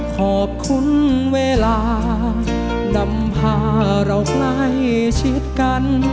ขอบคุณเวลานำพาเราใกล้ชิดกัน